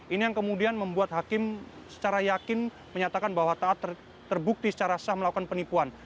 ini yang kemudian membuat hakim secara yakin menyatakan bahwa taat terbukti secara sah melakukan penipuan